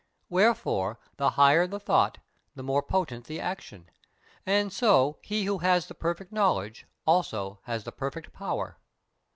Wherefore, the higher the thought the more potent the action, and so he who has the Perfect Knowledge has also the Perfect Power."